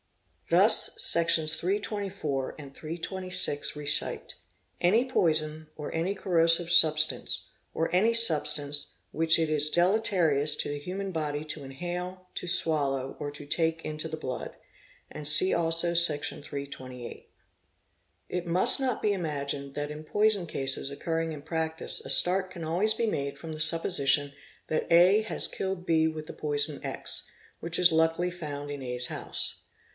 'Thus ss. 324 and 826 recite '' Any poison or any corrosive substance, .... or any substance which it is deleterious to the human body to inhale, to swallow, or to take into the blood''; and see also sec. 328. It must not be imagined that in poison cases occurring in practice a start can always be made from the supposition that A has killed B with the poison X, which is luckily found in A's house.